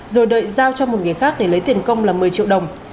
rồi đợi giao cho một người khác để lấy tiền công là một mươi triệu đồng